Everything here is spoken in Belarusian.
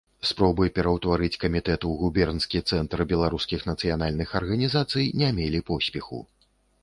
Спробы пераўтварыць камітэт у губернскі цэнтр беларускіх нацыянальных арганізацый не мелі поспеху.